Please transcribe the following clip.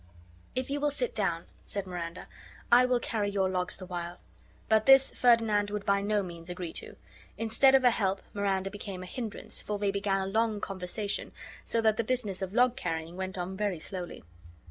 "If you will sit down," said Miranda, "I will carry your logs the while." But this Ferdinand would by no means agree to. Instead of a help Miranda became a hindrance, for they began a long conversation, so that the business of log carrying went on very slowly.